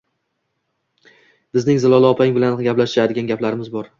Bizning Zilola opang bilan gaplashadigan gaplarimiz bor